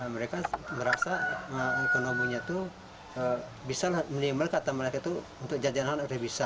mereka merasa ekonominya itu bisa menyimpan kata mereka itu untuk jajanan itu bisa